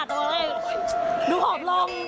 ดูออกลง